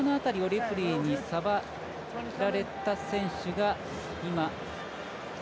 頭の辺りをレフリーに触られた選手が。